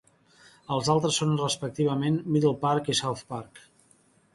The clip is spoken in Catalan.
Els altres són respectivament Middle Park i South Park.